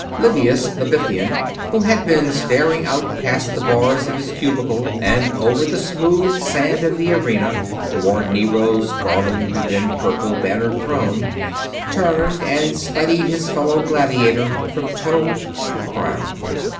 Livius the Bithynian, who had been staring out past the bars of the cubicle and over the smooth sand of the arena toward Nero's garlanded and purple bannered throne, turned and studied his fellow gladiator from toe to crown.